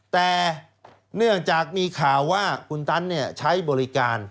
แต่เนื่องจากมีข่าวว่าคุณตันใช้บริการ